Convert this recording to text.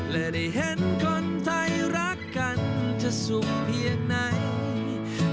และได้เห็นคนไทยรักกันจะสุขเพียงไหน